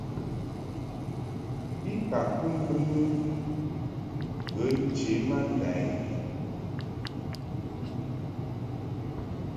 I ka kɨ mbɨni ŋgə nche ma nda i.